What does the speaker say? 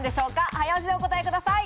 早押しでお答えください。